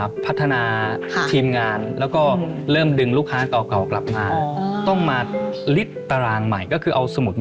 หนี้นอกระบบก็ใช้หมด